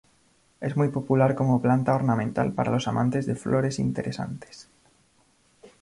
Es muy popular como planta ornamental para los amantes de flores interesantes.